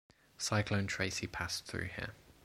Cyclone Tracy passed through here.